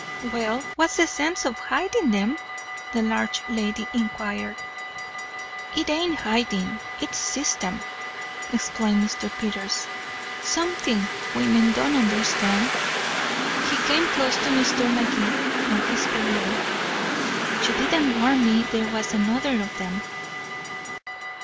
"Well, what's the sense in hiding 'em?" the large lady inquired. "It ain't hiding it's system," explained Mr. Peters. "Something women don't understand." He came close to Mr. Magee, and whispered low: "You didn't warn me there was another of 'em."